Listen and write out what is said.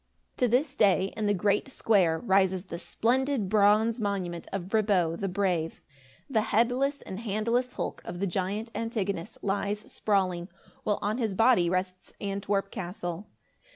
To this day, in the great square, rises the splendid bronze monument of Brabo the Brave. The headless and handless hulk of the giant Antigonus lies sprawling, while on his body rests Antwerp castle.